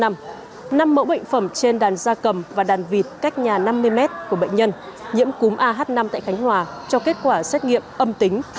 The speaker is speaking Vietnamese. năm mẫu bệnh phẩm trên đàn da cầm và đàn vịt cách nhà năm mươi m của bệnh nhân nhiễm cúm ah năm tại khánh hòa cho kết quả xét nghiệm âm tính